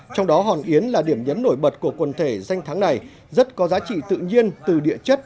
trong đó hòn yến là điểm nhấn nổi bật của quần thể danh thắng này rất có giá trị tự nhiên từ địa chất